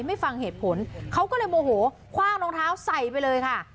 ไม่ฟังเหตุผลเขาก็เลยโมโหคว่างรองเท้าใส่ไปเลยค่ะ